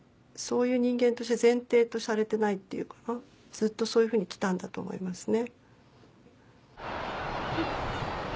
ずっとそういうふうにきたんだと思いますね。